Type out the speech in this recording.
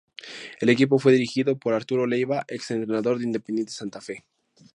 El equipo fue dirigido por Arturo Leyva, ex-entrenador de Independiente Santa Fe.